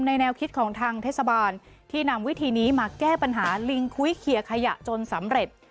แนวคิดของทางเทศบาลที่นำวิธีนี้มาแก้ปัญหาลิงคุ้ยเคลียร์ขยะจนสำเร็จ